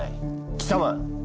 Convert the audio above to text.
貴様！